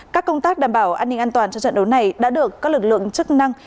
các công tác đảm bảo an ninh an toàn cho trận đấu này đã được các lực lượng chức năng